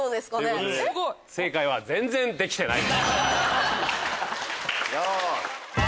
正解は全然できてない。